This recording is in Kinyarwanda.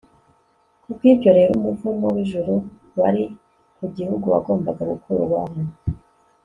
Kubwibyo rero umuvumo wijuru wari ku gihugu wagombaga gukurwaho